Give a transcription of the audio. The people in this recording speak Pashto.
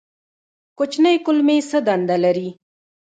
کوچنۍ کولمې څه دنده لري؟